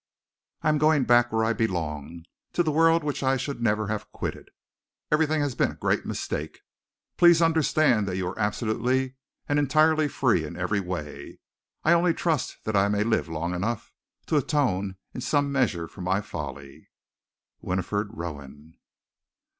I am going back where I belong to the world which I should never have quitted. Everything has been a great mistake. Please understand that you are absolutely and entirely free in every way. I only trust that I may live long enough to atone in some measure for my folly. WINIFRED ROWAN.